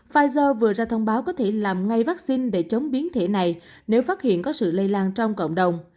pfizer vừa ra thông báo có thể làm ngay vaccine để chống biến thể này nếu phát hiện có sự lây lan trong cộng đồng